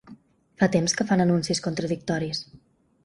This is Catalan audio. Fa temps que fan anuncis contradictoris.